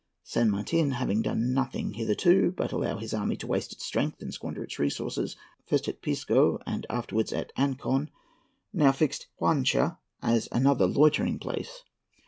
San Martin, having done nothing hitherto but allow his army to waste its strength and squander its resources, first at Pisco and afterwards at Ancon, now fixed upon Huacha as another loitering place.